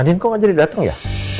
andin kok gak jadi dateng ya